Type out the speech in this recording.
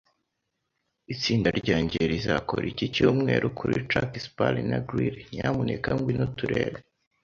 Itsinda ryanjye rizakora iki cyumweru kuri Chuck's Bar na Grill. Nyamuneka ngwino uturebe.